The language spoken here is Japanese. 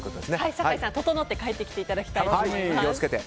酒井さん、ととのって帰ってきてもらいたいと思います。